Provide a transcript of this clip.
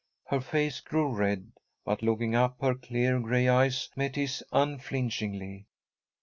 Her face grew red, but looking up her clear gray eyes met his unflinchingly.